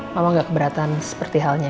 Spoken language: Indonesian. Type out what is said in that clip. mama gak keberatan seperti halnya